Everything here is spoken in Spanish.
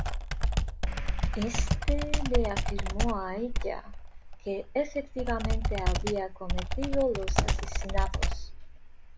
Este le afirmó a ella que efectivamente había cometido los asesinatos.